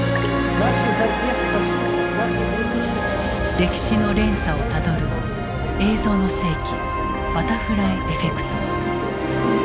歴史の連鎖をたどる「映像の世紀バタフライエフェクト」。